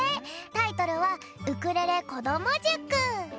タイトルは「ウクレレこどもじゅく」。